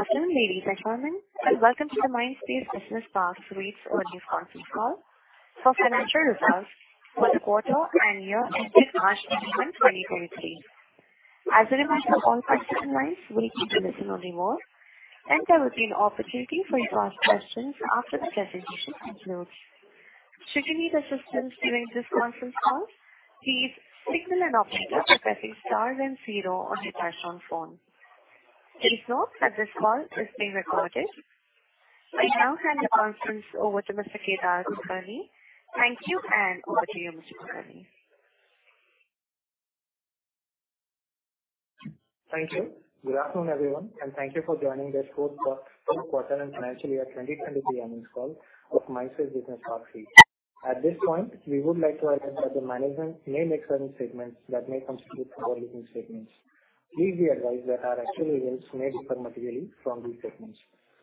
Good afternoon, ladies and gentlemen, welcome to the Mindspace Business Parks REIT's Quarterly Conference Call for Financial Results for the Quarter and Year ended March 2023. As a reminder, all participant lines will be in listen-only mode, there will be an opportunity for you to ask questions after the presentation concludes. Should you need assistance during this conference call, please signal an operator by pressing star then zero on your touchtone phone. Please note that this call is being recorded. I now hand the conference over to Mr. Kedar Kulkarni. Thank you, over to you, Mr. Kulkarni. Thank you. Good afternoon, everyone, and thank you for joining this fourth quarter and financial year 2023 earnings call of Mindspace Business Parks REIT. At this point, we would like to advise that the management may make certain statements that may constitute forward-looking statements. Please be advised that our actual results may differ materially from these statements.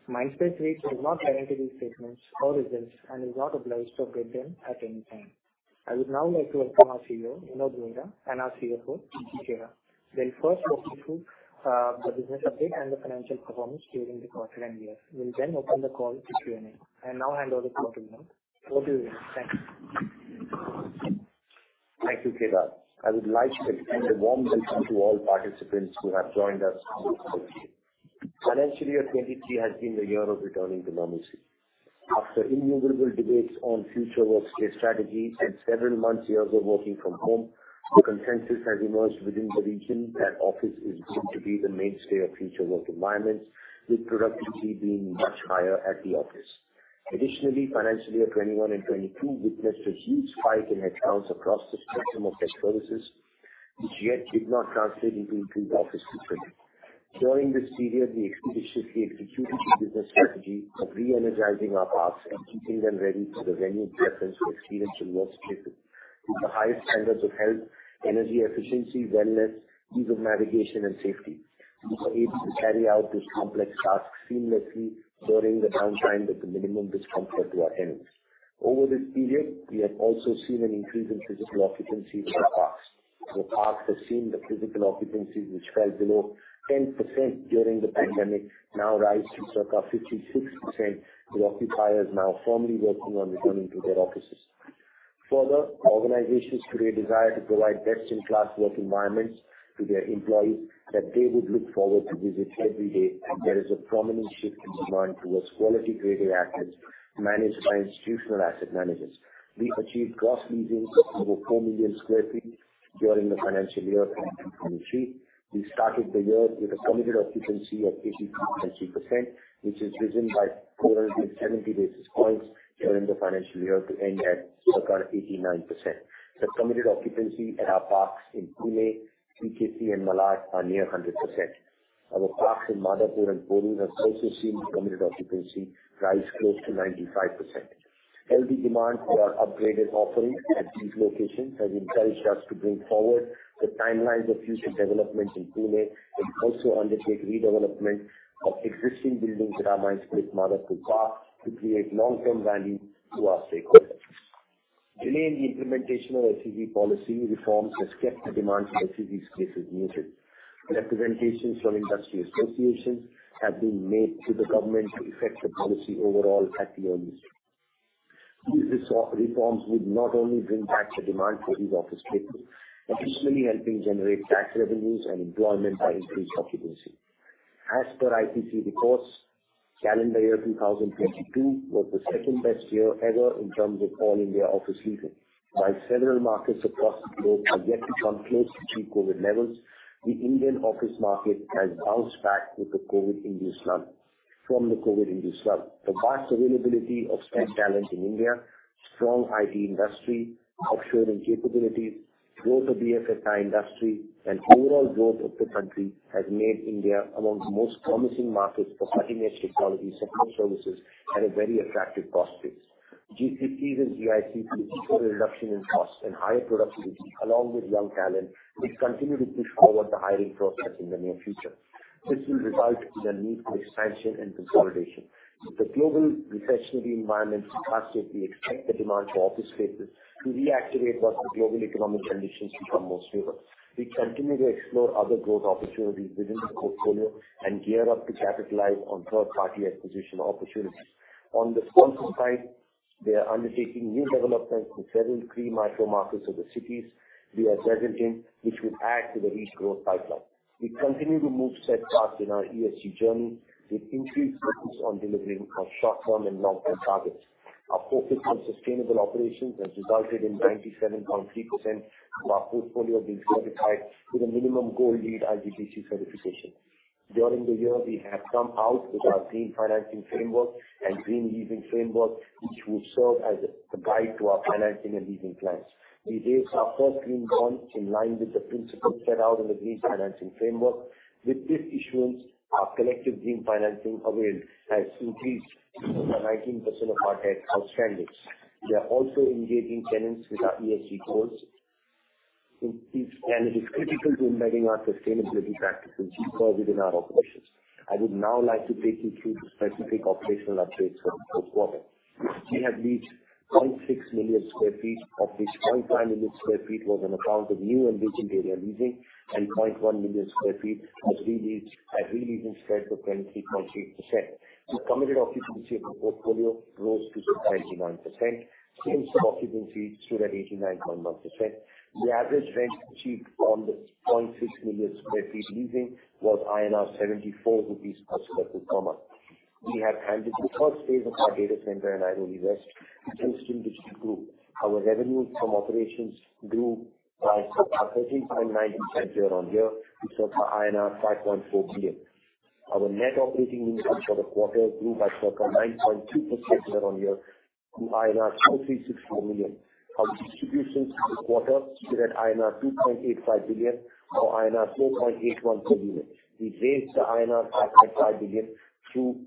Mindspace REIT does not guarantee these statements or results and is not obliged to update them at any time. I would now like to welcome our CEO, Vinod Rohira, and our CFO, Preeti Chheda. They'll first walk you through the business update and the financial performance during the quarter and year. We'll then open the call to Q&A. I now hand over to you. Over to you, Vinod. Thanks. Thank you, Kedar. I would like to extend a warm welcome to all participants who have joined us here. Financial year 23 has been the year of returning to normalcy. After innumerable debates on future workspace strategy and several months years of working from home, the consensus has emerged within the region that office is going to be the mainstay of future work environments, with productivity being much higher at the office. Additionally, financial year 21 and 22 witnessed a huge spike in accounts across the spectrum of tech services, which yet did not translate into increased office footprint. During this period, we expeditiously executed the business strategy of re-energizing our parks and keeping them ready for the renewed preference for experiential workspaces with the highest standards of health, energy efficiency, wellness, ease of navigation, and safety. We were able to carry out this complex task seamlessly during the downtime with the minimum discomfort to our tenants. Over this period, we have also seen an increase in physical occupancy in our parks. The parks have seen the physical occupancy, which fell below 10% during the pandemic, now rise to circa 56%, with occupiers now formally working on returning to their offices. Organizations today desire to provide best-in-class work environments to their employees that they would look forward to visit every day. There is a prominent shift in demand towards quality-graded assets managed by institutional asset managers. We achieved gross leasing over 4 million sq ft during the financial year 2023. We started the year with a committed occupancy of 52.3%, which has risen by 470 basis points during the financial year to end at circa 89%. The committed occupancy at our parks in Pune, TKC, and Malad are near 100%. Our parks in Madhapur and Borivali have also seen the committed occupancy rise close to 95%. Healthy demand for our upgraded offerings at these locations has encouraged us to bring forward the timelines of future developments in Pune and also undertake redevelopment of existing buildings at our Mindspace Madhapur park to create long-term value to our stakeholders. Delay in the implementation of SEZ policy reforms has kept the demand for SEZ spaces muted. Representations from industry associations have been made to the government to effect the policy overall at the earliest. These soft reforms would not only bring back the demand for these office spaces, but additionally helping generate tax revenues and employment by increased occupancy. As per IPCC reports, calendar year 2022 was the second-best year ever in terms of all India office leasing. While several markets across the globe have yet to come close to pre-COVID levels, the Indian office market has bounced back from the COVID-induced slump. The vast availability of skilled talent in India, strong IT industry, offshoring capabilities, growth of BFSI industry, and overall growth of the country has made India among the most promising markets for cutting-edge technology support services at a very attractive cost base. GCCs and GICs show a reduction in cost and higher productivity, along with young talent, which continue to push forward the hiring process in the near future. This will result in a need for expansion and consolidation. With the global recessionary environment, we cautiously expect the demand for office spaces to reactivate once the global economic conditions become more favorable. We continue to explore other growth opportunities within the portfolio and gear up to capitalize on third-party acquisition opportunities. On the sponsor side, we are undertaking new developments in several pre-micro markets of the cities we are present in, which would add to the REIT growth pipeline. We continue to move steadfast in our ESG journey with increased focus on delivering on short-term and long-term targets. Our focus on sustainable operations has resulted in 97.3% of our portfolio being certified with a minimum gold LEED IGBC certification. During the year, we have come out with our green financing framework and green leasing framework, which will serve as a guide to our financing and leasing plans. We raised our first green bond in line with the principles set out in the green financing framework. With this issuance, our collective green financing availed has increased to 19% of our debt outstanding. We are also engaging tenants with our ESG goals. It is critical to embedding our sustainability practices deeper within our operations. I would now like to take you through the specific operational updates for the quarter. We have leased 0.6 million sq ft, of which 0.5 million sq ft was on account of new and recent area leasing and 0.1 million sq ft was re-leased at re-leasing spread to 23.8%. The committed occupancy of the portfolio rose to 79%. Tenancy occupancy stood at 89.1%. The average rent achieved on the 0.6 million sq ft leasing was 74 rupees per sq ft per month. We have handed the first phase of our data center in Airoli West to Houston Digital Group. Our revenues from operations grew by 13.9% year-on-year to 5.4 billion. Our net operating income for the quarter grew by 9.2% year-on-year to INR 2,364 million. Our distributions for the quarter stood at INR 2.85 billion or INR 4.81 per unit. We raised the INR 5.5 billion through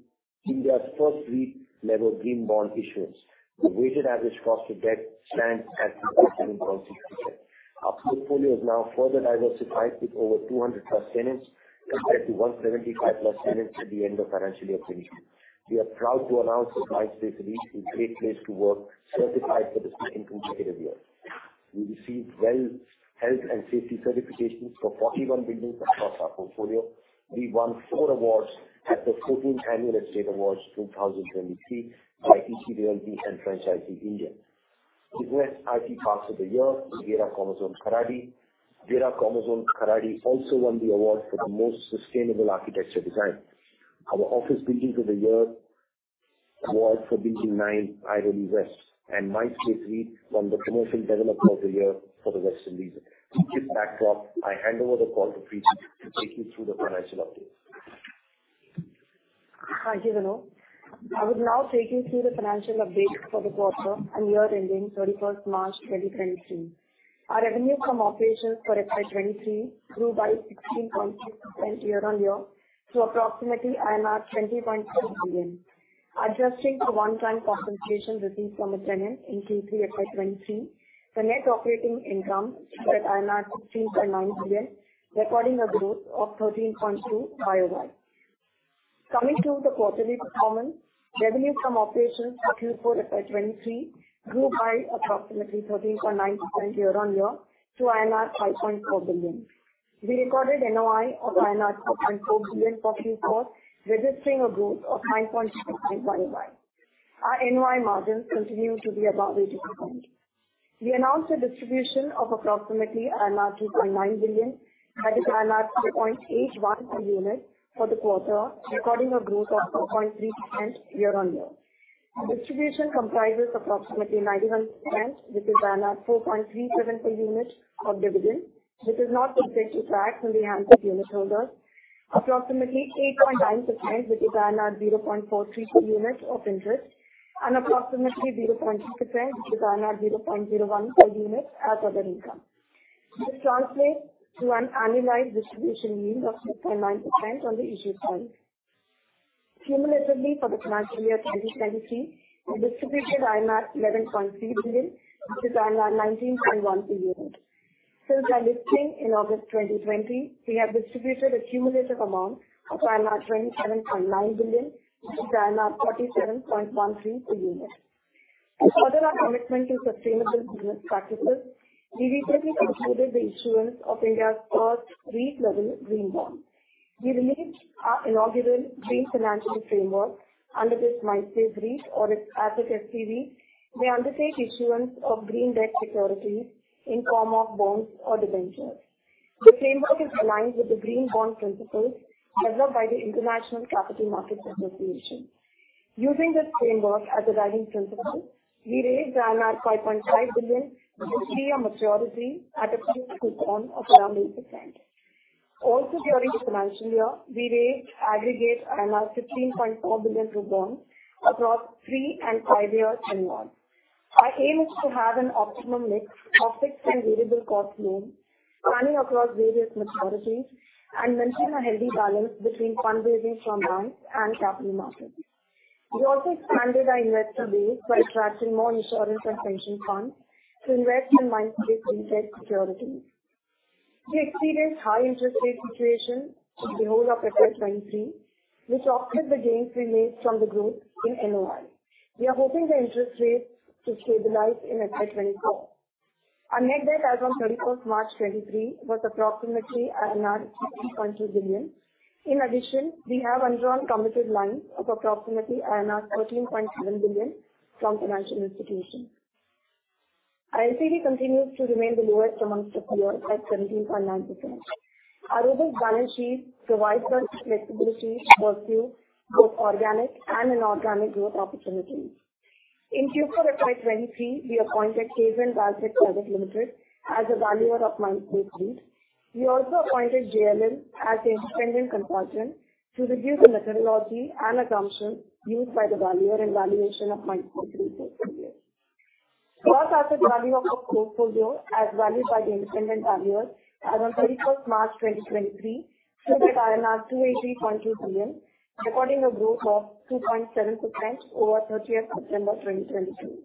India's first REIT level green bond issuance. The weighted average cost of debt stands at 2.67%. Our portfolio is now further diversified with over 200 plus tenants compared to 175 plus tenants at the end of financial year 2022. We are proud to announce that Mindspace REIT is a Great Place to Work certified for the second consecutive year. We received health and safety certifications for 41 buildings across our portfolio. We won four awards at the 14th Annual Estate Awards 2023 by ETRealty and Franchise India. We won IT Park of the Year for Gera Commerzone Kharadi. Gera Commerzone Kharadi also won the award for the Most Sustainable Architecture Design. Our Office Buildings of the Year award for Building 9 Airoli West. Mindspace REIT won the Commercial Developer of the Year for the Western Region. With this backdrop, I hand over the call to Preeti to take you through the financial updates. Thank you, Vinod. I will now take you through the financial updates for the quarter and year ending 31st March 2023. Our revenue from operations for FY2023 grew by 16.2% year-on-year to approximately 20.2 billion. Adjusting for one-time compensation received from a tenant in Q3 FY 2023, the Net Operating Income stood at 16.9 billion, recording a growth of 13.2% YoY. Coming to the quarterly performance, revenue from operations for Q4 FY 2023 grew by approximately 13.9% year-on-year to INR 5.4 billion. We recorded NOI of INR 4.4 billion for Q4, registering a growth of 9.6% YoY. Our NOI margins continue to be above 80%. We announced a distribution of approximately 2.9 billion. That is 2.81 per unit for the quarter, recording a growth of 4.3% year-on-year. The distribution comprises approximately 91%, which is 4.37 per unit of dividend. This is not subject to tax in the hands of unitholders. Approximately 8.9%, which is 0.43 per unit of interest, and approximately 0.2%, which is 0.01 per unit as other income. This translates to an annualized distribution yield of 6.9% on the issue size. Cumulatively for the financial year 2023, we distributed INR 11.3 billion, which is INR 19.1 per unit. Since our listing in August 2020, we have distributed a cumulative amount of 27.9 billion, which is 37.13 per unit. To further our commitment to sustainable business practices, we recently concluded the issuance of India's first REIT level green bond. We released our inaugural green financial framework. Under this Mindspace REIT or its asset FPV, may undertake issuance of green debt securities in form of bonds or debentures. The framework is aligned with the green bond principles developed by the International Capital Market Association. Using this framework as a guiding principle, we raised 5.5 billion with three year maturity at a fixed coupon of around 8%. Also, during the financial year, we raised aggregate 16.4 billion rupees through bonds across three and five-year tenures. Our aim is to have an optimum mix of fixed and variable cost loans spanning across various maturities and maintain a healthy balance between fundraising from banks and capital markets. We also expanded our investor base by attracting more insurance and pension funds to invest in Mindspace REIT securities. We experienced high interest rate situation since the whole of FY 2023, which offset the gains we made from the growth in NOI. We are hoping the interest rates to stabilize in FY 2024. Our net debt as on March 31st, 2023 was approximately 60.2 billion. In addition, we have undrawn committed lines of approximately 13.7 billion from financial institutions. Our NCD continues to remain the lowest amongst the peers at 17.9%. Our robust balance sheet provides us flexibility to pursue both organic and inorganic growth opportunities. In Q4 FY 2023, we appointed Kzen Valtech Private Limited(Garbled audio) as a valuer of Mindspace REIT. We also appointed JLL as the independent consultant to review the methodology and assumptions used by the valuer and valuation of Mindspace REIT so far. Gross asset value of our portfolio as valued by the independent valuer as on 31st March 2023 stood at 280.2 billion, recording a growth of 2.7% over 30th September 2022.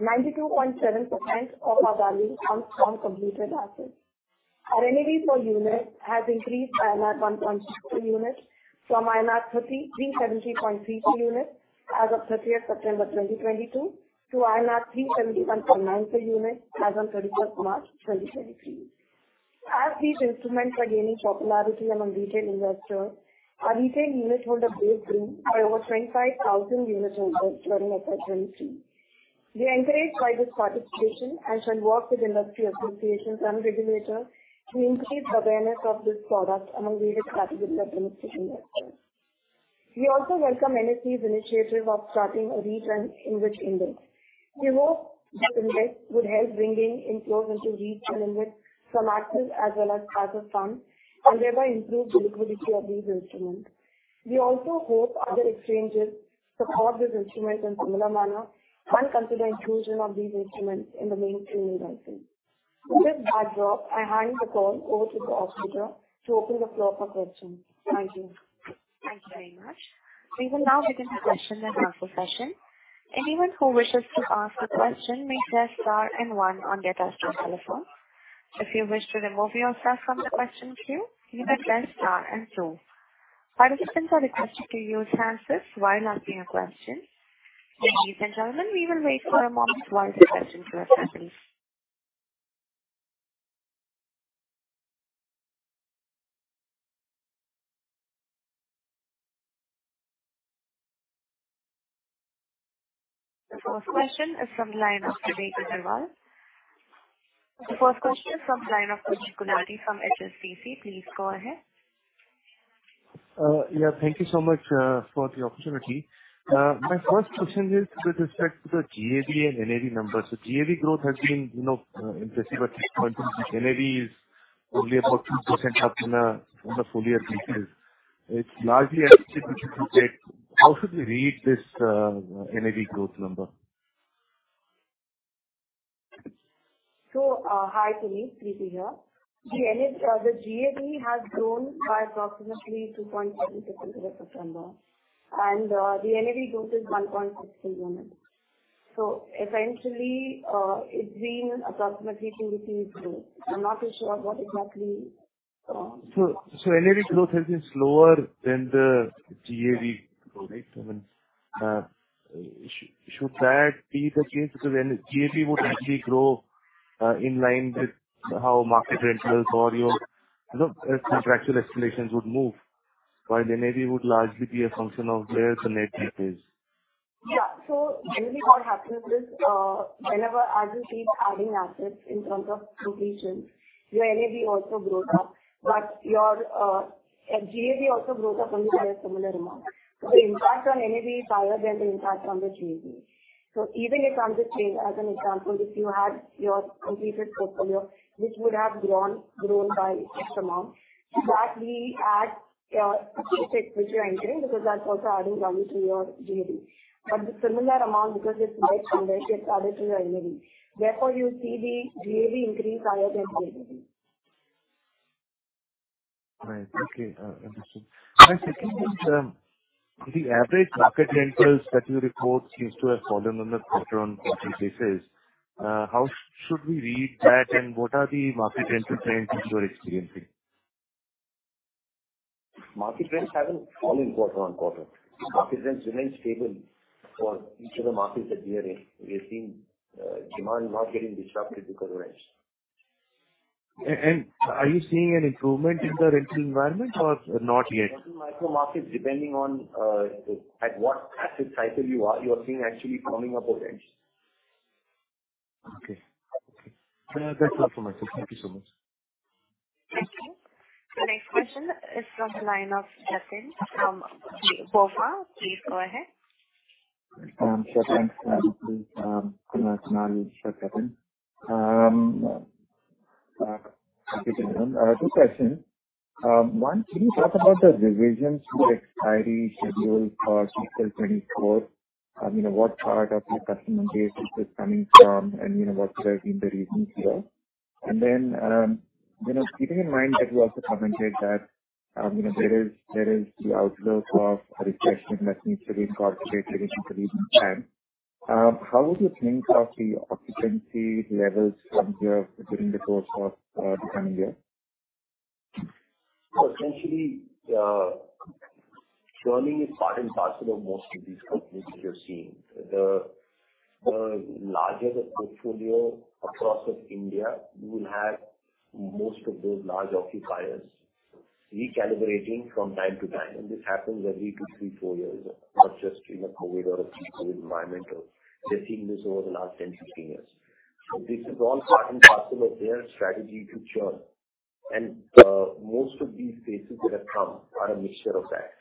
92.7% of our value comes from completed assets. Our NAV per unit has increased by INR 1.6 per unit from 370.32 units as of 30th September 2022 to 371.9 per unit as on 31st March 2023. As these instruments are gaining popularity among retail investors, our retail unit holder base grew by over 25,000 unit holders during FY 2023. We are encouraged by this participation and shall work with industry associations and regulators to increase the awareness of this product among this category of investing investors. We also welcome NSE's initiative of starting a return in which index. We hope this index would help bringing inflows into REITs and invest from actors as well as categories of funds and thereby improve the liquidity of these instruments. We also hope other exchanges support these instruments in similar manner and consider inclusion of these instruments in the main three indices. With that backdrop, I hand the call over to the operator to open the floor for questions. Thank you. Thank you very much. We will now begin the question and answer session. Anyone who wishes to ask a question may press star and one on their touchtone telephone. If you wish to remove yourself from the question queue, you may press star and two. Participants are requested to use hands-free while asking a question. Ladies and gentlemen, we will wait for a moment while the question queue is happening. The first question is from line of Vivek Agarwal. The first question is from line of Kunal Lakhanpal from HSBC. Please go ahead. Yeah, thank you so much for the opportunity. My first question is with respect to the GAV and NAV numbers. The GAV growth has been, you know, impressive at 20%. NAV is only about 2% up in a full year basis. It's largely attributable to debt. How should we read this NAV growth number? Hi, Kunal. Preeti here. The GAV has grown by approximately 2.76 as of September. The NAV growth is 1.63 units. Essentially, it's been approximately 20% growth. I'm not too sure what exactly. NAV growth has been slower than the GAV growth, right? I mean, should that be the case? When GAV would actually grow, in line with how market rentals or your, you know, contractual escalations would move, while NAV would largely be a function of where the net debt is. Yeah. Really what happens is, whenever as you keep adding assets in terms of locations, your NAV also grows up, but your GAV also grows up on the very similar amount. The impact on NAV is higher than the impact on the GAV. Even if I'm to change as an example, if you had your completed portfolio, which would have grown by X amount, to that we add asset which you are entering, because that's also adding value to your GAV. The similar amount because it's net funded, it's added to your NAV. Therefore, you see the GAV increase higher than NAV. Right. Okay. Understood. My second is, the average market rentals that you report seems to have fallen on a quarter-on-quarter basis. How should we read that? What are the market rental trends which you are experiencing? Market rents haven't fallen quarter-on-quarter. Market rents remain stable for each of the markets that we are in. We are seeing, demand not getting disrupted because of rents. Are you seeing an improvement in the rental environment or not yet? Certain micro markets, depending on, at what asset cycle you are, you are seeing actually firming up of rents. Okay. Okay. That's all from my side. Thank you so much. Thank you. The next question is from the line of Sachin from BofA. Please go ahead. Sure thing. Kunal. Sure, Sachin. Good afternoon. Two questions. One, can you talk about the revisions to expiry schedule for fiscal 24? You know, what part of your customer base this is coming from, and, you know, what have been the reasons here. You know, keeping in mind that you also commented that, you know, there is the outlook of a recession that needs to be incorporated into the lease plan. How would you think of the occupancy levels observed during the course of the coming year? Essentially, churning is part and parcel of most of these companies that you're seeing. The, the larger the portfolio across India will have most of those large occupiers recalibrating from time to time. This happens every two, three, four years. Not just, you know, COVID or people with environmental. We're seeing this over the last 10, 15 years. This is all part and parcel of their strategy to churn. Most of these spaces that have come are a mixture of that.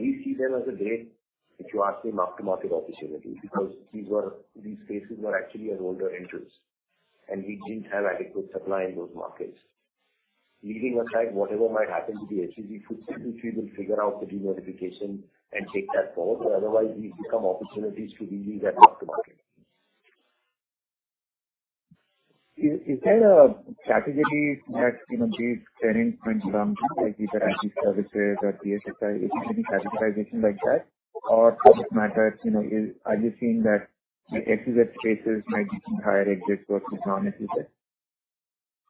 We see them as a great, if you ask me, mark-to-market opportunity because these spaces were actually at older entries, and we didn't have adequate supply in those markets. Leaving aside whatever might happen to the HCB footprint, which we will figure out the denotification and take that forward. Otherwise, these become opportunities to reuse at mark-to-market. Is there a category that, you know, these 10 rents come from, like either IT services or BFSI? Is there any categorization like that? For this matter, you know, are you seeing that The exit spaces might be higher exit versus non-exit space?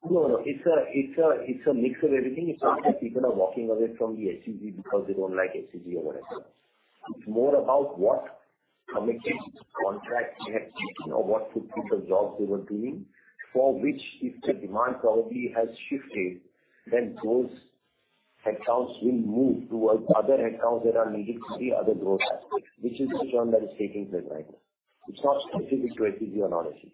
No, no. It's a mix of everything. Okay. It's not that people are walking away from the HCG because they don't like HCG or whatever. It's more about what committed contract they had taken or what typical jobs they were doing, for which if the demand probably has shifted, then those accounts will move towards other accounts that are needing to see other growth, which is the trend that is taking place right now. It's not specific to HCG or not HCG.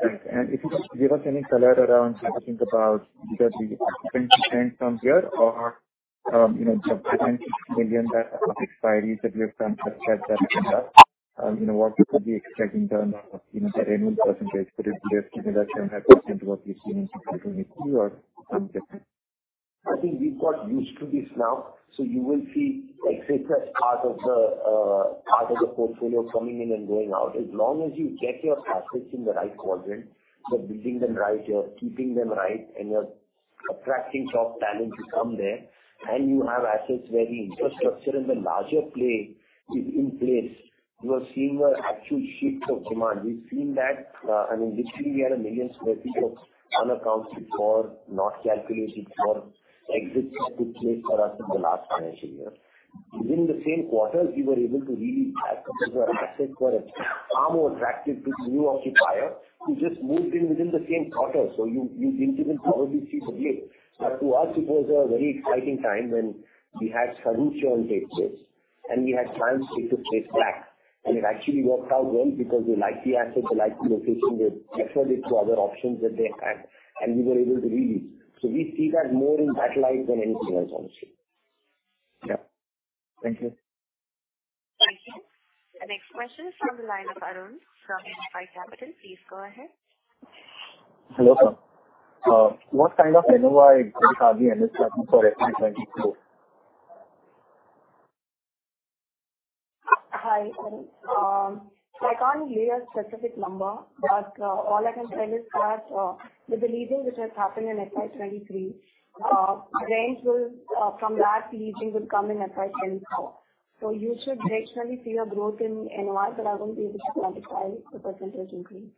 Right. If you could give us any color around how to think about either the occupancy trend from here or, you know, the 26 million that of expiry that you have planned for Mm-hmm. you know, what we could be expecting in terms of, you know, the annual percentage because you're keeping that 10% what we've seen in fiscal 22 or something different? I think we've got used to this now. You will see exits as part of the part of the portfolio coming in and going out. As long as you get your assets in the right quadrant, you're building them right, you're keeping them right, and you're attracting top talent to come there, and you have assets where the infrastructure and the larger play is in place. You are seeing an actual shift of demand. We've seen that, I mean, literally, we had 1 million sq ft of unaccounted for, not calculated for exits took place for us in the last financial year. Within the same quarter, we were able to re-lease that particular asset for a far more attractive to the new occupier, who just moved in within the same quarter. You didn't even probably see the blip. To us it was a very exciting time when we had solution on day space, and we had time to take the space back. It actually worked out well because we liked the asset, we liked the location. We explored it to other options that they had, and we were able to re-lease. We see that more in that light than anything else, honestly. Yeah. Thank you. Thank you. The next question is from the line of Arun from IIFL Capital. Please go ahead. Hello, sir. What kind of NOI do you have the end of for FY 2024? Hi, Arun. I can't give you a specific number, but all I can tell is that with the leasing which has happened in FY 2023, range will from that leasing will come in FY 2024. You should gradually see a growth in NOI, but I won't be able to quantify the % increase.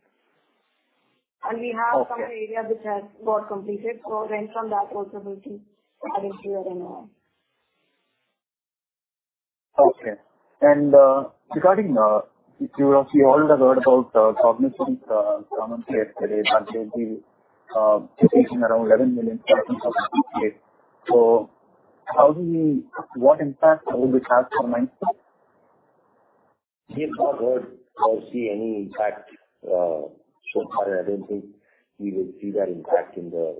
Okay. Some area which has got completed, rent from that also will be added to your NOI. Okay. Regarding, if you all have heard about Cognizant comment yesterday that they'll be taking around 11 million sq ft. What impact will this have for Mindtree? We have not heard or see any impact so far. I don't think we will see that impact in the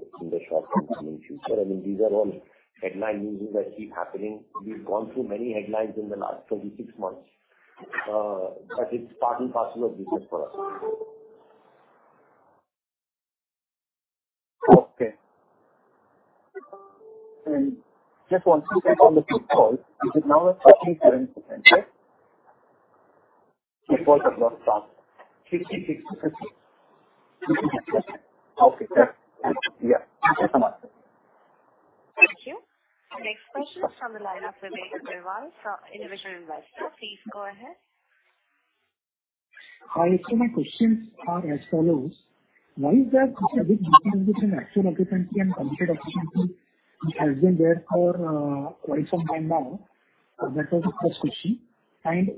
short term coming future. I mean, these are all headline news that keep happening. We've gone through many headlines in the last 26 months. It's part and parcel of business for us. Okay. Just one quick on the free calls. Is it now at 13.7%? Free calls have gone down. 56%. 56%. Okay. Yeah. Thank you so much. Thank you. The next question is from the line of Vivek Agarwal from Individual Investor. Please go ahead. Hi. My questions are as follows. Why is there such a big difference between actual occupancy and committed occupancy which has been there for quite some time now? That was the first question.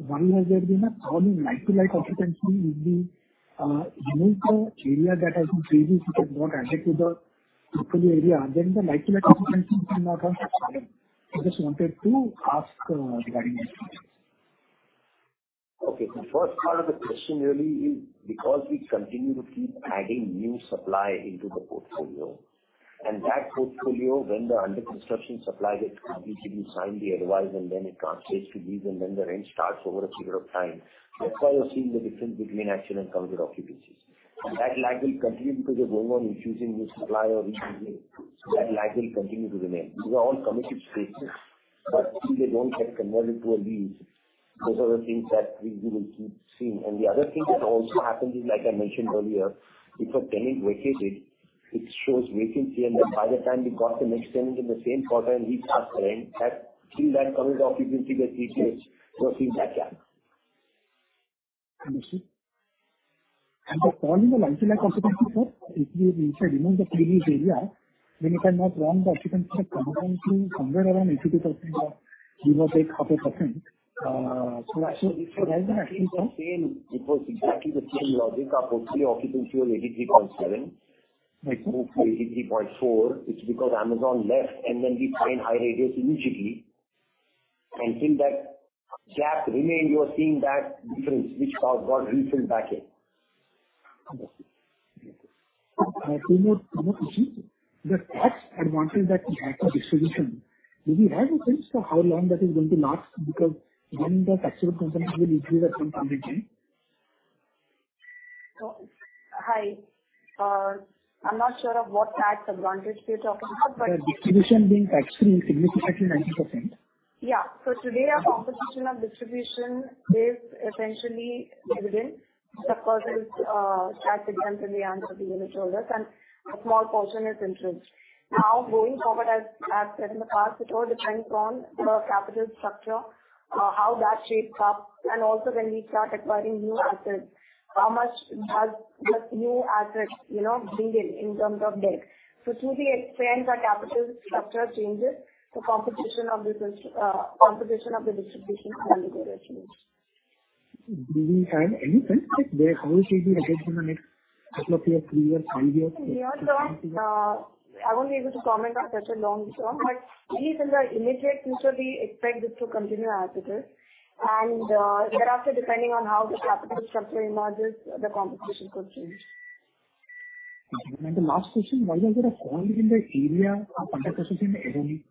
Why has there been a fall in like-to-like occupancy in the unique area that has been previously been not added to the total area, then the like-to-like occupancy should not have fallen? I just wanted to ask regarding these questions. First part of the question really is because we continue to keep adding new supply into the portfolio. That portfolio, when the under construction supply gets completely signed, the advice and then it translates to lease and then the rent starts over a period of time. That's why you're seeing the difference between actual and committed occupancies. That lag will continue because you're going on infusing new supply every single year. That lag will continue to remain. These are all committed spaces, but still they don't get converted to a lease. Those are the things that we will keep seeing. The other thing that also happens is, like I mentioned earlier, if a tenant vacated, it shows vacancy. By the time we got the next tenant in the same quarter and he starts paying, that till that committed occupancy gets changed, you're seeing that gap. Understood. The fall in the like-to-like occupancy, sir, if you instead remove the previous area, it has not gone the occupancy of committed occupancy somewhere around 82% or give or take half a percent. That is actually the same. It was exactly the same logic. Our portfolio occupancy was 83.7%. Right. It moved to 83.4. It's because Amazon left, we signed HighRadius immediately. Until that gap remained, you are seeing that difference which got refilled back in. Understood. Thank you. two more questions. The tax advantage that we had for distribution, do we have a sense for how long that is going to last? Because when the tax exemption will increase at some time again. Hi. I'm not sure of what tax advantage you're talking about. The distribution being tax-free significantly 90%. Today our composition of distribution is essentially dividend. The purchase, as extensively answered, is unit holders and a small portion is interest. Going forward, as said in the past, it all depends on the capital structure, how that shapes up. Also when we start acquiring new assets, how much does the new assets, you know, bring in terms of debt. Should the expense or capital structure changes, the competition of the distribution change. Do we have any sense if there in the next couple of years, three years, five years? Yeah, I won't be able to comment on such a long term, but at least in the immediate future we expect this to continue as it is. Thereafter, depending on how the capital structure emerges, the competition could change. The last question, why is there a colony in the area of 100% in Airoli?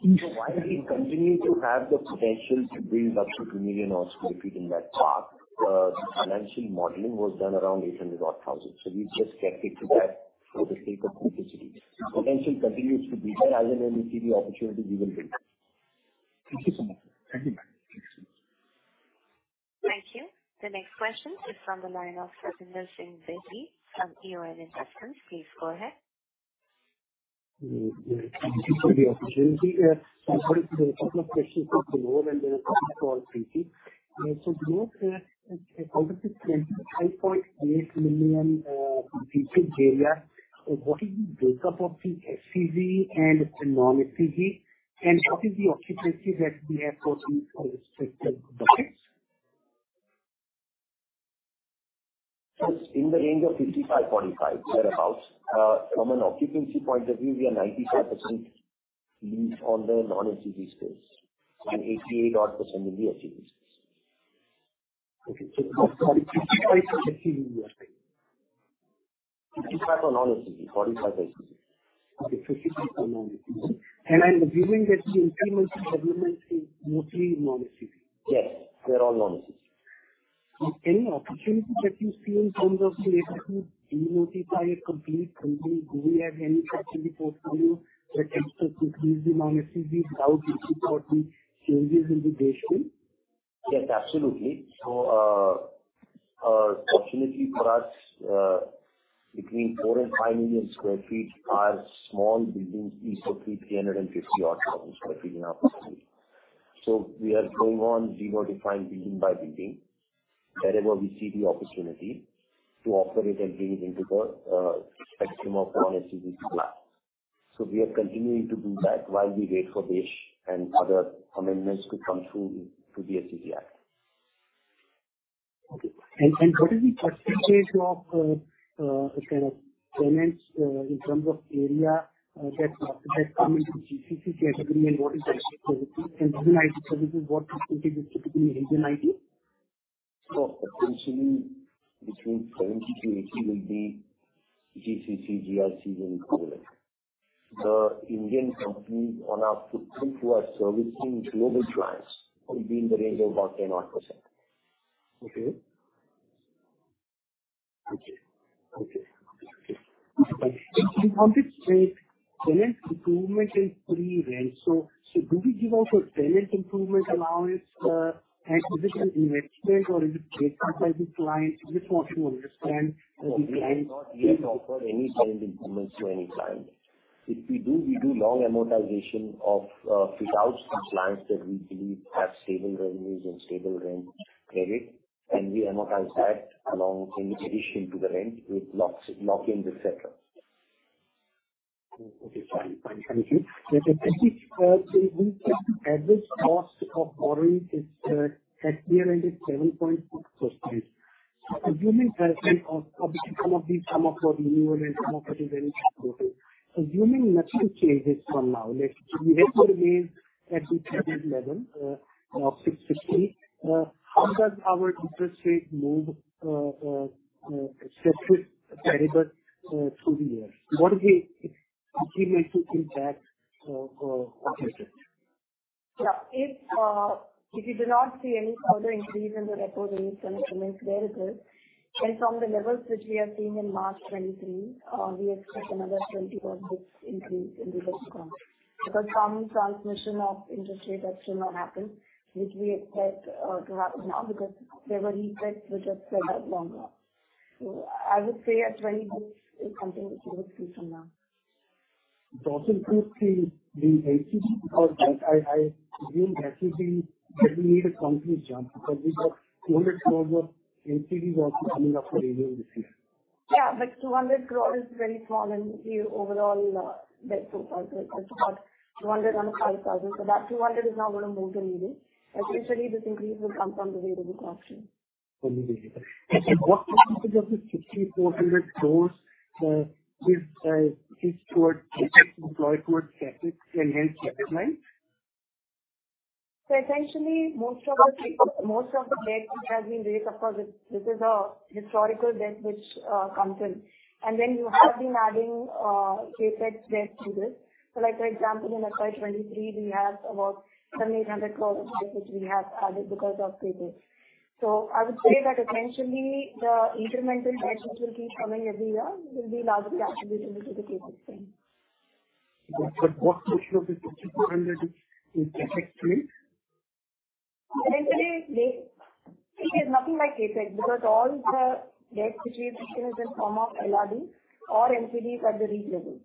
While we continue to have the potential to build up to 2 million odd sq ft in that park, the financial modeling was done around 800,000 odd sq ft. We just kept it to that for the sake of simplicity. The potential continues to be there. As and when we see the opportunity, we will build. Thank you so much. Thank you. Thank you. The next question is from the line of Satinder Singh Bedi from EON Investments. Please go ahead. Thank you for the opportunity. I have a couple of questions for Dilip and then a quickie for Preeti. Dilip, out of this 25.8 million completed area, what is the build up of the SEZ and the non-SEZ? What is the occupancy that we have for these specific buckets? It's in the range of 55.5% thereabout. From an occupancy point of view, we are 95% leased on the non-SEZ space and 88% odd in the SEZ space. Okay. 55 SEZ you are saying. 55 for non-SEZ, 45 for SEZ. Okay. 55 for non-SEZ. I'm assuming that the increments is mostly non-SEZ. Yes. They're all non-SEZ. Any opportunity that you see in terms of the effort to de-notify it completely? Do we have any such report from you that tends to reduce the non-SEZ without waiting for the changes in the SEZ Act? Yes, absolutely. Fortunately for us, between 4 million-5 million sq ft are small buildings, each of which 350,000 odd sq ft in our portfolio. We are going on de-notifying building by building wherever we see the opportunity to offer it and bring it into the spectrum of non-SEZ space. We are continuing to do that while we wait for BASE and other amendments to come through to the SEZ Act. Okay. What is the percentage of tenants in terms of area that has come into GCC category and what is the SEZ? Within IT services, what is considered as typically Asian IT? Potentially between 7%-80% will be GCC, GRC and equivalent. The Indian companies on our footprint who are servicing global clients will be in the range of about 10% odd. Okay. Okay. Okay. Okay. In how bit space tenant improvement is pre-rent. Do we give out a tenant improvement allowance at additional investment or is it paid up by the client? Just want to understand. We have not yet offered any tenant improvements to any client. If we do, we do long amortization of fit outs to clients that we believe have stable revenues and stable rent credit, and we amortize that along in addition to the rent with locking the set up. Okay. Fine. Thank you. Preeti, the recent average cost of borrowing is at nearly 7.6%. Assuming that some of these, some of what renewal and some of it is very short-term. Assuming nothing changes from now, like the rate will remain at the current level, of 650, how does our interest rate move, say with credible, through the year? What is the accumulated impact on this debt? If, if we do not see any further increase in the repo rate and it remains where it is, then from the levels which we have seen in March 2023, we expect another 20 odd basis points increase in the next round. Some transmission of interest rates action will happen, which we expect to happen now because there were effects which have spread out longer. I would say a 20 basis points is something which we would see from now. Does it include the ACG? I assume that will need a complete jump because we've got 200 crores of ACG that is coming up for renewal this year. Yeah. 200 crore is very small in the overall debt profile. Right. That's about 205,000. That 200 is not going to move the needle. Essentially, this increase will come from the rate of exhaustion. What percentage of the INR 6,400 crores is employed towards CapEx and hence debt line? Essentially most of the debt which has been raised across this is a historical debt which comes in. Then you have been adding CapEx debt to this. Like for example in FY 2023 we have about 700-800 crores of debt which we have added because of CapEx. I would say that essentially the incremental debt which will keep coming every year will be largely attributable to the CapEx spend. What portion of the INR 6,400 is CapEx-related? Essentially, there is nothing like CapEx because all the debt situation is in form of LRD or NCDs at the REIT level.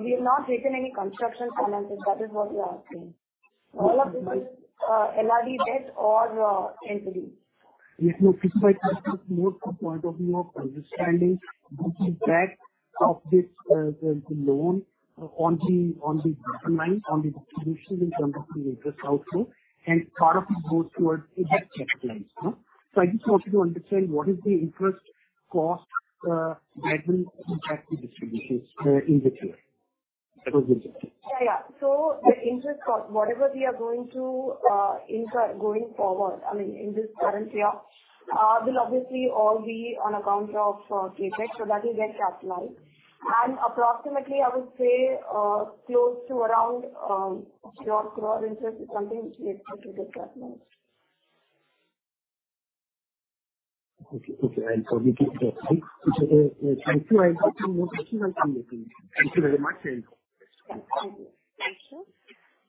We have not taken any construction finances. That is what you're asking. Okay. All of this is LRD debt or NCDs. If you specify just from point of view of understanding which is that of this, the loan on the bottom line, on the distribution in terms of the interest outflow and part of it goes towards a head capitalized, no? I just wanted to understand what is the interest cost that will impact the distributions in the year. That was the objective. Yeah. Yeah. The interest cost, whatever we are going to incur going forward, I mean, in this current year, will obviously all be on account of CapEx so that will get capitalized. Approximately I would say, close to around 10 or 12 interest is something which we expect to get capitalized. Okay. Okay. For me, thank you very much. Thank you.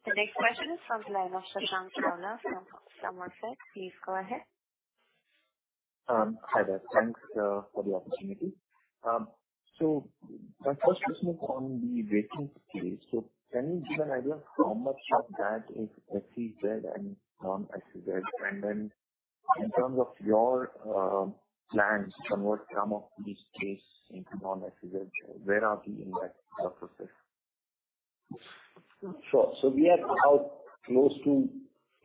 The next question is from the line of Shashank Chawla from Somerset. Please go ahead. Hi there. Thanks for the opportunity. My first question is on the vacant space. Can you give an idea of how much of that is SEZ and non-SEZ? In terms of your plans to convert some of this space into non-SEZ, where are we in that process? Sure. We are about close to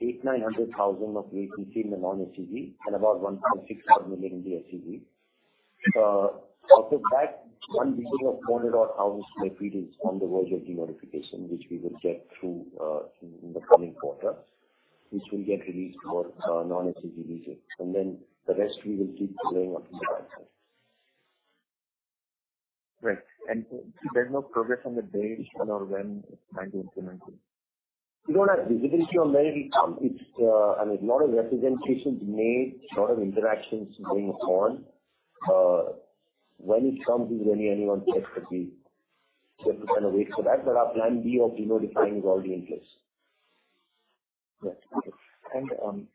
8, 900,000 of ACV in the non-SEZ and about 1.6 million in the SEZ. Of the back 100,000 odd square feet is on the verge of de-notification, which we will get through in the coming quarter, which will get released for non-SEZ leases. The rest we will keep filling up in the pipeline. Right. There's no progress on the DESH on or when it's planned to implement it. We don't have visibility on when it will come. It's, I mean, lot of representations made, lot of interactions going on. When it comes is really anyone's guess at the kind of wait for that. Our plan B of de-notifying is all the interest. Yes. Okay.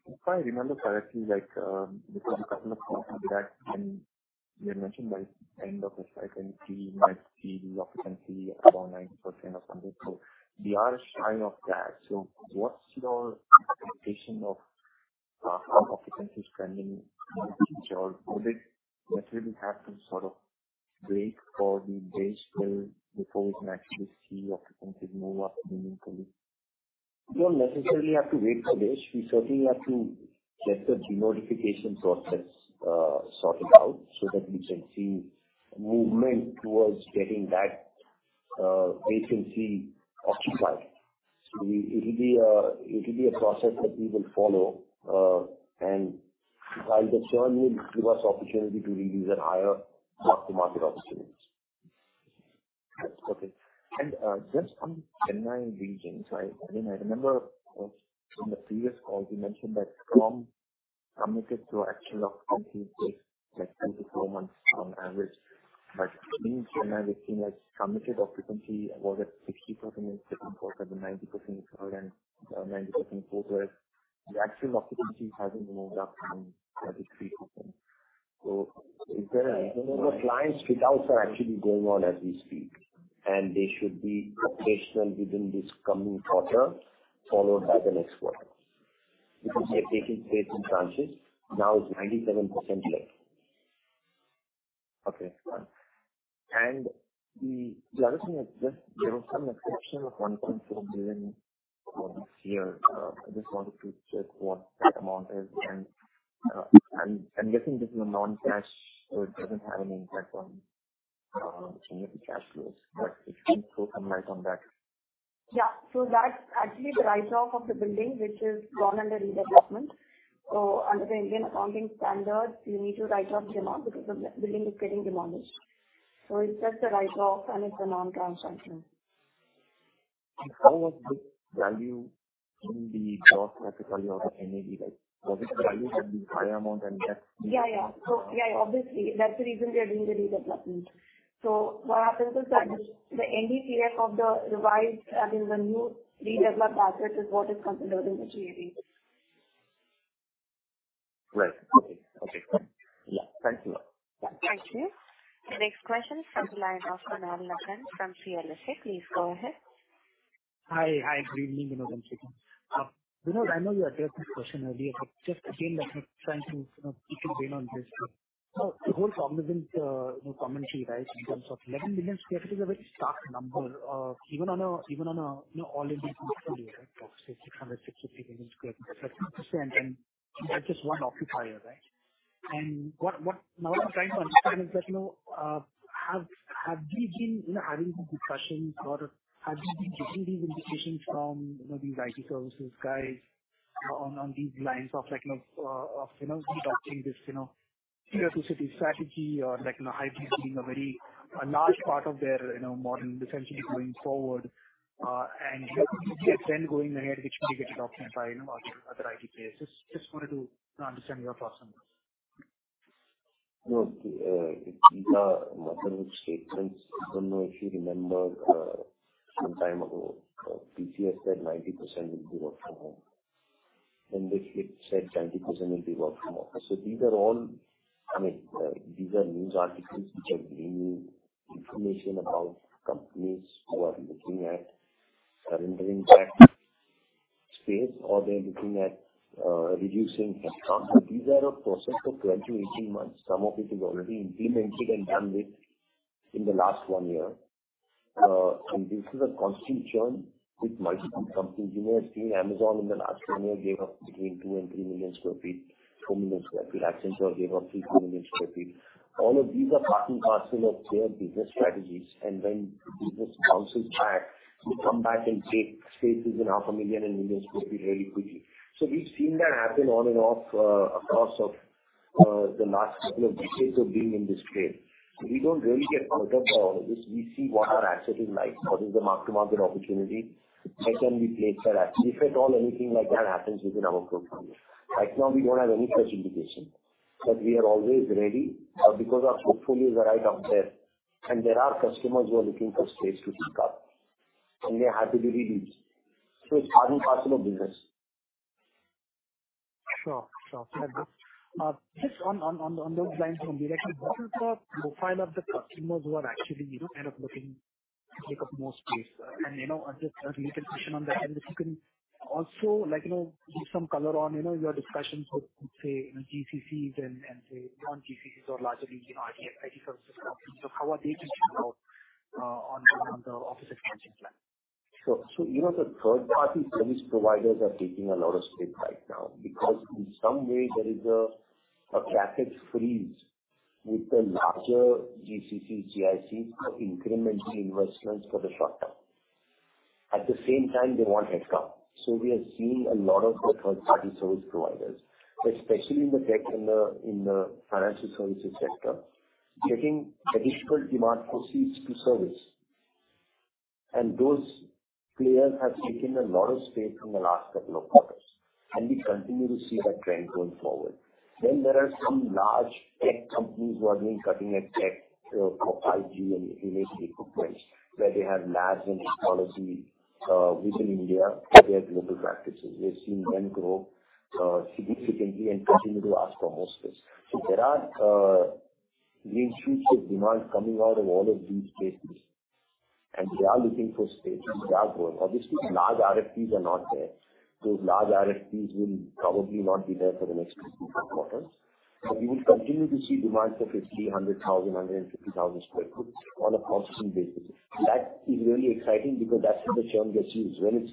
If I remember correctly, like, before the couple of calls with that and you had mentioned by end of this identity might see the occupancy around 90% or something. We are shy of that. What's your expectation of how occupancy is trending in the future? Would it necessarily have to sort of wait for the DESH Bill before we can actually see occupancy move up meaningfully? We don't necessarily have to wait for DESH. We certainly have to get the de-notification process, sorted out so that we can see movement towards getting that, vacancy occupied. It'll be a process that we will follow, and I'm certain will give us opportunity to revisit higher mark-to-market opportunities. Yes. Okay. Just on Chennai region. I mean, I remember from the previous call you mentioned that from committed to actual occupancy takes like 10-12 months on average. In Chennai we've seen like committed occupancy was at 60% in second quarter to 90% in third and 90% in fourth, where the actual occupancy hasn't moved up from, like 3%. Is there? No. The client fit-outs are actually going on as we speak, they should be occupational within this coming quarter, followed by the next quarter. They're taking space in tranches. Now it's 97% left. Okay. The other thing is just there was some exception of 1.4 million for this year. I just wanted to check what that amount is. I'm guessing this is a non-cash, so it doesn't have any impact on change of the cash flows. If you can still comment on that. Yeah. That's actually the write-off of the building which is gone under redevelopment. Under the Indian accounting standard, you need to write off the amount because the building is getting demolished. It's just a write-off and it's a non-cash transaction. How was this value in the gross category of the NAV? Was it valued at the same amount? Yeah, yeah. Yeah, obviously that's the reason we are doing the redevelopment. What happens is that the NDCF of the revised, that is the new redeveloped asset is what is considered in the GAV. Right. Okay. Okay. Yeah. Thank you. Thank you. The next question is from the line of Kunal Lakhan from CLSA. Please go ahead. Hi. Hi. Good evening, Vinod and team. Vinod, I know you addressed this question earlier, but just again, I'm trying to, you know, keep it going on this. The whole problem is in, you know, commentary, right, in terms of 11 million sq ft is a very stark number. even on a, you know, all India portfolio, right, of say 663 million sq ft. That's interesting. That's just one occupier, right? What now what I'm trying to understand is that, you know, have you been, you know, having these discussions or have you been getting these indications from, you know, these IT services guys on these lines of like, you know, of, you know, keep adopting this, you know, tier two city strategy or like, you know, hybrid being a very, a large part of their, you know, model essentially going forward. Then going ahead, which maybe gets occupied, you know, by other IT players. Just wanted to, you know, understand your thoughts on this. No, the Kida motherhood statements. I don't know if you remember, some time ago, TCS said 90% would be work from home, and they said 20% will be work from home. I mean, these are news articles which are bringing information about companies who are looking at rendering back space or they're looking at reducing headcount. These are a process of 12-18 months. Some of it is already implemented and done with in the last one year. This is a constant churn with multiple companies. You may have seen Amazon in the last one year gave up between 2 million and 3 million sq ft, 4 million sq ft. Accenture gave up 2 million sq ft. All of these are part and parcel of their business strategies. When business bounces back, they come back and take spaces in half a million and 1 million sq ft really quickly. We've seen that happen on and off across of the last couple of decades of being in this space. We don't really get caught up by all of this. We see what our asset is like, what is the mark-to-market opportunity, where can we place our assets, if at all anything like that happens within our portfolio. Right now, we don't have any such indication, but we are always ready because our portfolio is right up there and there are customers who are looking for space to pick up and they're happy to release. It's part and parcel of business. Sure. Sure. Just on those lines from Dhiren, what is the profile of the customers who are actually, you know, kind of looking to take up more space? You know, just a little question on that end, if you can also like, you know, give some color on, you know, your discussions with, say, GCCs and say, non-GCCs or larger regional IT services companies. How are they thinking about on the office expansion plan? You know, the third-party service providers are taking a lot of space right now because in some way there is a CapEx freeze with the larger GCC, GICs incrementing investments for the short term. At the same time, they want headcount. We are seeing a lot of the third-party service providers, especially in the tech and in the financial services sector, getting additional demand for seats to service. Those players have taken a lot of space in the last couple of quarters, and we continue to see that trend going forward. There are some large tech companies who have been cutting edge tech for 5G and 5G equipment, where they have labs and ecology within India for their global practices. We've seen them grow significantly and continue to ask for more space. There are huge demand coming out of all of these cases, and they are looking for space. They are growing. Obviously, large RFPs are not there. Those large RFPs will probably not be there for the next two, three quarters. We will continue to see demands of a 300,000, 150,000 sq ft on a constant basis. That is really exciting because that's where the churn gets used. When it's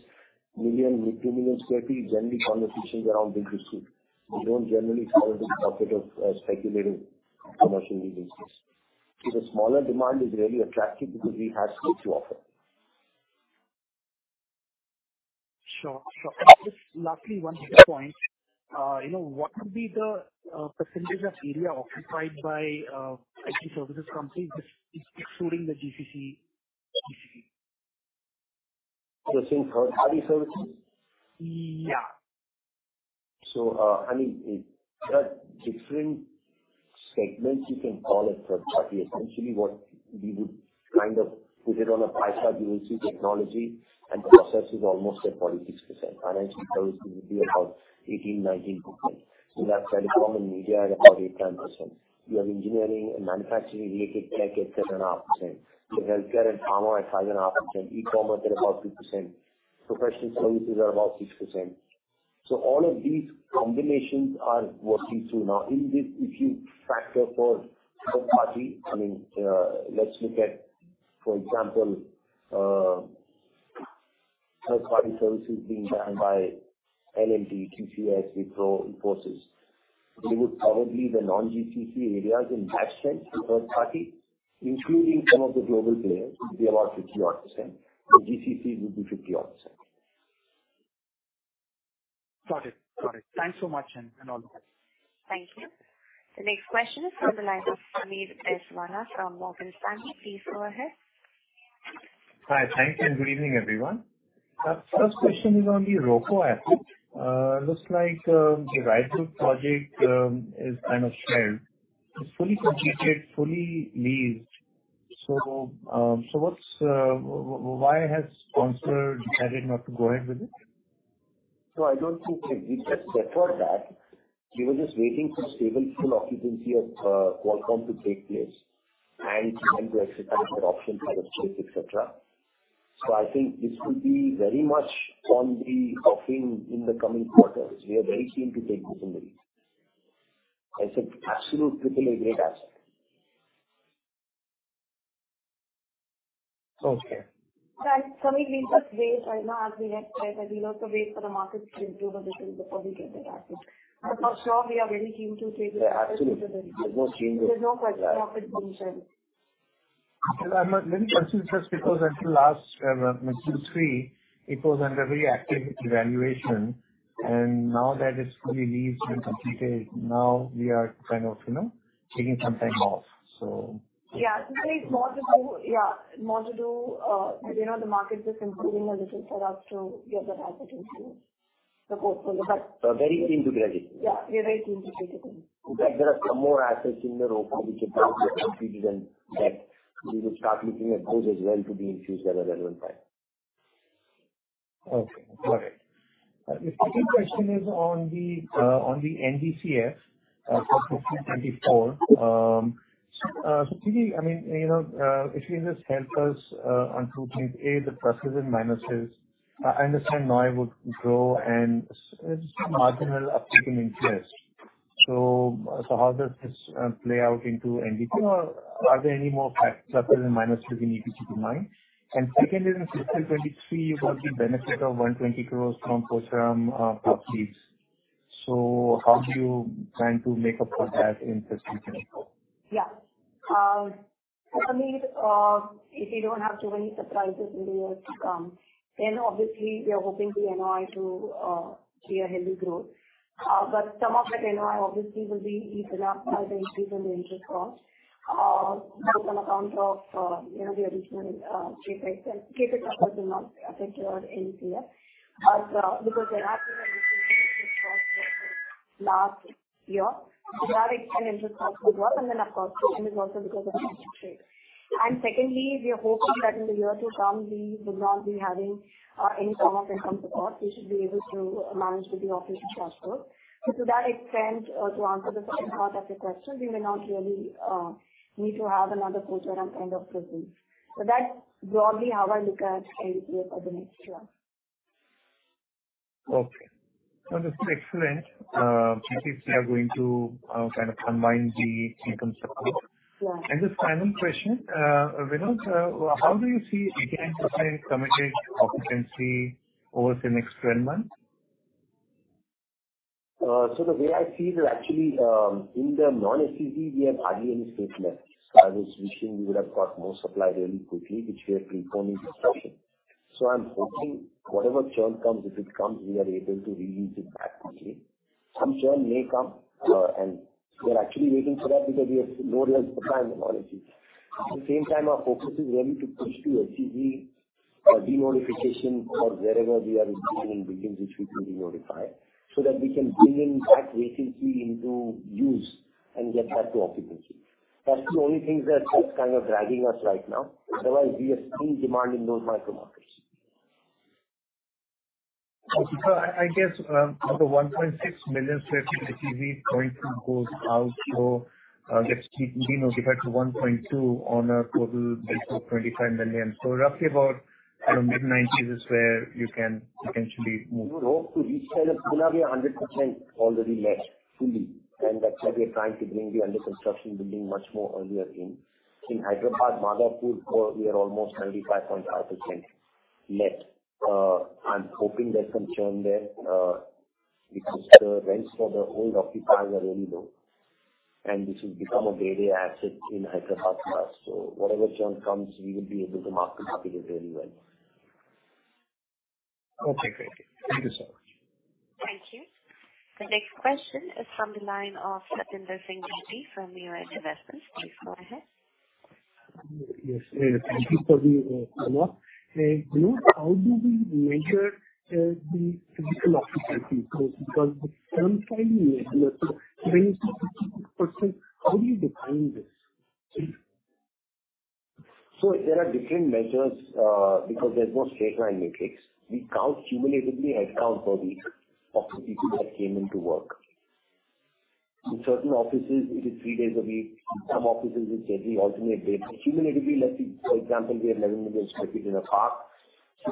1 million, 2 million sq ft, generally conversations around big REIT. You don't generally cover the profit of speculating commercial leasing space. The smaller demand is really attractive because we have space to offer. Sure. Sure. Just lastly, one quick point. You know, what would be the % of area occupied by IT services companies just excluding the GCC specifically? You're saying third-party services? Yeah. I mean, there are different segments you can call a third party. Essentially, what we would kind of put it on a pie chart, you will see technology and process is almost at 46%. Financial services will be about 18%-19%. You have telecomm and media at about 8%-10%. You have engineering and manufacturing-related tech at 7.5%. You have healthcare and pharma at 5.5%. E-commerce at about 2%. Professional services are about 6%. All of these combinations are working through. In this, if you factor for third party, I mean, let's look at, for example, third-party services being done by LTIMindtree, TCS, Wipro, Infosys. They would probably the non-GCC areas in that sense, the third party, including some of the global players, would be about 50% odd. The GCC would be 50 odd %. Got it. Got it. Thanks so much and all the best. Thank you. The next question is from the line of Sameer Baisiwala from Morgan Stanley. Please go ahead. Hi. Thank you and good evening, everyone. First question is on the ROFO asset. Looks like the rival project is kind of shelled. It's fully completed, fully leased. Why has sponsor decided not to go ahead with it? I don't think that we just deferred that. He was just waiting for stable, full occupancy of Qualcomm to take place and time to exercise their option for purchase, et cetera. I think this could be very much on the offering in the coming quarters. We are very keen to take this in the lease. It's an absolute, completely great asset. Okay. Sameer, we'll just wait. I know as we had said that we'll also wait for the markets to improve a little before we take that asset. For sure we are very keen to take the asset into the. Absolutely. There's no change there. There's no question. Profit being shared. I'm really confused just because until last two, three, it was under very active evaluation, and now that it's fully leased and completed, now we are kind of, you know, taking some time off, so. Yeah. I think more to do. Yeah, more to do. you know, the market just improving a little for us to get that asset into the portfolio. We're very keen to grab it. Yeah, we are very keen to take it. In fact, there are some more assets in the ROFO which have now been completed and that we will start looking at those as well to be infused at a relevant time. The second question is on the NDCF for 2024. Typically, I mean, you know, if you can just help us on two things. A, the pluses and minuses. I understand NOI would grow and marginal uptick in interest. How does this play out into NDCF? Are there any more pluses and minuses you need to keep in mind? Secondly, in 2023, you got the benefit of 120 crores from Khairane proceeds. How do you plan to make up for that in 2024? Yeah. For me, if we don't have too many surprises in the year to come, obviously we are hoping the NOI to see a healthy growth. Some of that NOI obviously will be eaten up by the increase in the interest cost, both on account of the original CapEx. CapEx of course will not affect your NCF, because there has been an increase in cost over the last year. That explains the interest cost as well. Of course second is also because of interest rate. Secondly, we are hoping that in the year to come we would not be having any form of income support. We should be able to manage with the operational cash flow. To that extent, to answer the second part of your question, we may not really need to have another Khairane end of this year. That's broadly how I look at NCF for the next year. Okay. No, that's excellent. It seems we are going to, kind of combine the income support. Yeah. This final question. Vinod, how do you see again design committed occupancy over the next 12 months? The way I see that actually, in the non-SEZ we have hardly any space left. I was wishing we would have got more supply really quickly, which we are pre-forming discussions. I'm hoping whatever churn comes, if it comes, we are able to re-lease it back quickly. Some churn may come, and we're actually waiting for that because we have no real supply in the non-SEZ. Our focus is really to push the SEZ denotification or wherever we are seeing in buildings which we can denotify so that we can bring in that vacancy into use and get that to occupancy. That's the only thing that is kind of dragging us right now. We are seeing demand in those micro markets. Okay. I guess, of the 1.6 million sq ft in SEZ, 20 goes out. Let's keep denotified to 1.2 on a total base of 25 million. Roughly about, you know, mid-90s is where you can potentially move. You know, to each tenant we are 100% already let fully. That's why we are trying to bring the under construction building much more earlier in. In Hyderabad Madhapur, we are almost 95.5% let. I'm hoping there's some churn there, because the rents for the old occupiers are really low and this will become a day-day asset in Hyderabad for us. Whatever churn comes we will be able to market up it really well. Okay, great. Thank you so much. Thank you. The next question is from theTHE line of Satinder Singh Gidde from UAE Investments. Please go ahead. Yes. Thank you for the call. Hey, Vinod, how do we measure the physical occupancy? Because the term finally measures. When you say 50%, how do you define this? There are different measures because there's no straight line metrics. We count cumulatively a headcount per week of the people that came into work. In certain offices it is three days a week, in some offices it's every alternate day. Cumulatively, for example, we have 11 million sq ft in the park.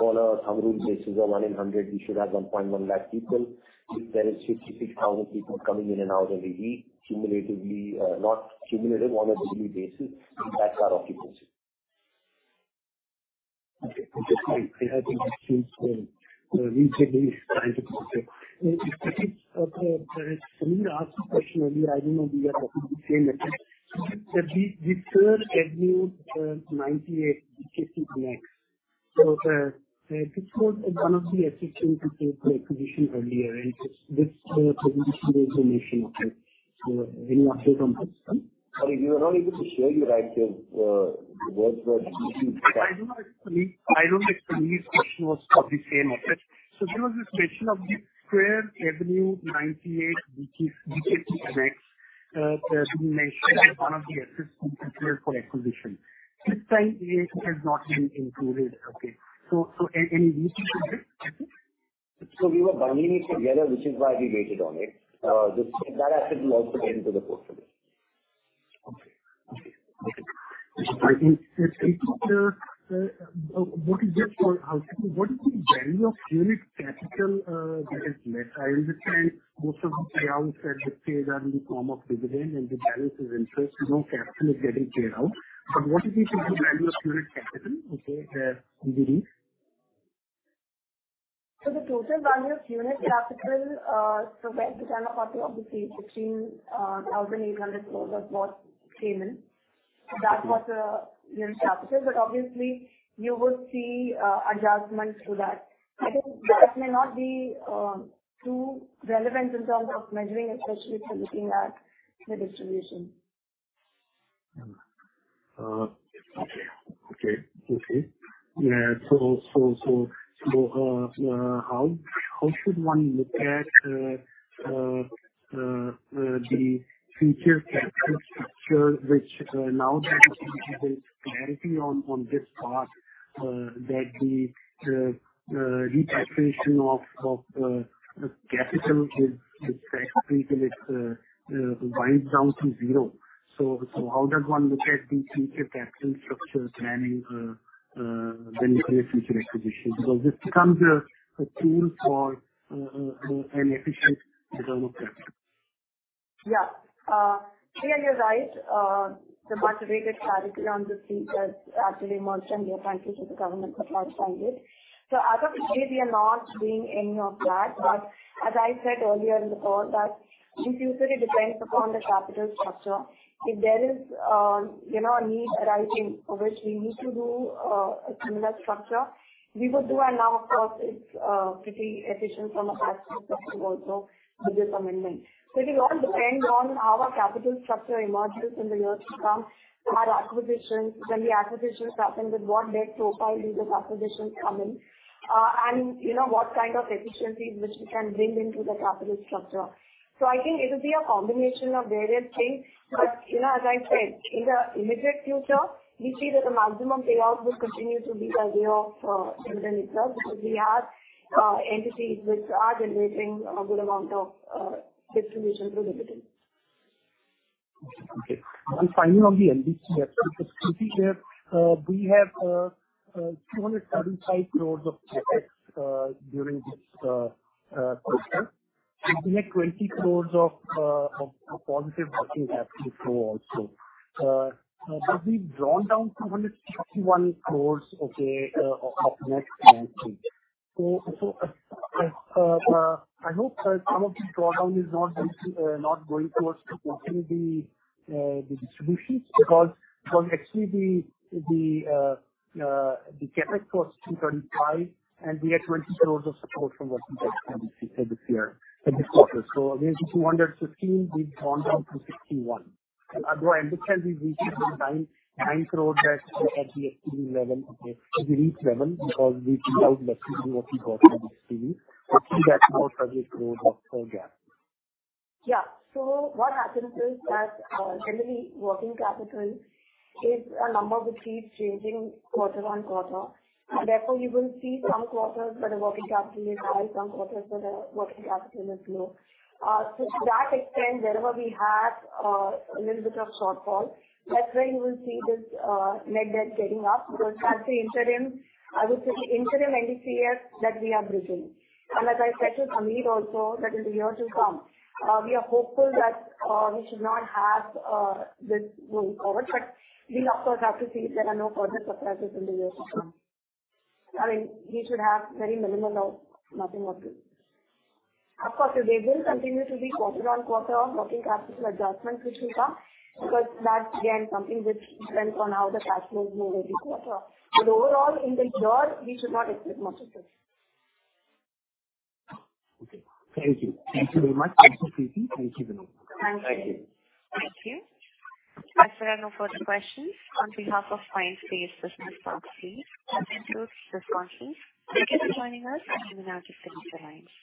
On a thumb rule basis of one in 100, we should have 1.1 lakh people. If there is 66,000 people coming in and out every week, cumulatively, not cumulatively on a weekly basis, that's our occupancy. Okay. Thank you. I had the same, recently trying to compute it. Sunita asked this question earlier. I don't know if we are talking the same metric. That the Square Avenue 98 BKC Connect. This was one of the assets being prepared for acquisition earlier, and this presentation there is no mention of it. Any update on that front? Sorry, we were not able to share you our active works list. I don't know if Sunita's question was of the same asset. There was this mention of The Square Avenue 98 BKC Connect being mentioned as one of the assets being prepared for acquisition. This time it has not been included. Okay. Any reason for it? We were bundling it together, which is why we waited on it. That asset will also get into the portfolio. Okay. Okay. Thank you. What is the value of unit capital that is let? I understand most of the payouts that get paid are in the form of dividend and the balance is interest. No capital is getting paid out. What is the total value of unit capital there in the lease? The total value of unit capital, so when the channel partner obviously INR 16,800 crores was what came in. That was the unit capital. Obviously you would see adjustments to that. I think that may not be too relevant in terms of measuring, especially if you're looking at the distribution. Okay. How should one look at the future capital structure which now there is a little bit clarity on this part, that the repatriation of capital with tax credits winds down to zero? How does one look at the future capital structure planning when you make future acquisitions because this becomes a tool for an efficient development? Clearly you're right. The much-awaited clarity on this feature actually emerged and we are thankful to the government for providing it. As of today, we are not doing any of that. As I said earlier in the call that it usually depends upon the capital structure. If there is, you know, a need arising for which we need to do a similar structure, we would do. Now, of course, it's pretty efficient from a tax perspective also with this amendment. It'll all depend on how our capital structure emerges in the years to come. Our acquisitions, when the acquisitions happen, with what debt profile do those acquisitions come in. You know, what kind of efficiencies which we can bring into the capital structure. I think it'll be a combination of various things. you know, as I said, in the immediate future, we see that the maximum payout will continue to be by way of dividend itself, because we are entities which are generating a good amount of distribution through dividends. y on the NDCF. Preeti, there, we have 275 crores of CapEx during this quarter. We had 20 crores of positive working capital flow also. But we've drawn down 161 crores of net debt. So, I hope that some of this drawdown is not going to not going towards to fulfill the distributions because actually the CapEx was 235, and we had 20 crores of support from working capital this year, this quarter. So against 215, we've drawn down 61. Although in this case we reached 10 crores at the existing level, release level because we paid out less than what we got from this CE (Cash Equivalents) See that more subject road of gap. What happens is that, generally working capital is a number which keeps changing quarter on quarter. You will see some quarters where the working capital is high, some quarters where the working capital is low. To that extent, wherever we have a little bit of shortfall, that's where you will see this net debt getting up. That's the interim, I would say the interim NDCF that we are bridging. As I said to Sameer also that in the year to come, we are hopeful that we should not have this going forward, but we of course have to see if there are no further surprises in the years to come. I mean, we should have very minimal of nothing working. Of course today will continue to be quarter on quarter working capital adjustments which will come because that's again something which depends on how the cash flows move every quarter. Overall in the year we should not expect much of this. Okay. Thank you. Thank you very much. Also Preeti, thank you very much. Thank you. Thank you. As there are no further questions, on behalf of Mindspace Business Parks REIT please conclude this conference. Thank you for joining us and you may now disconnect the line.